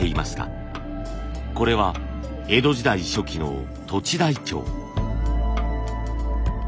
これは江戸時代初期の土地台帳。